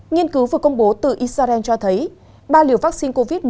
nghiên cứu vừa công bố từ israel cho thấy ba liều vaccine covid một mươi chín